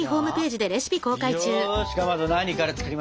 よしかまど何から作りますか？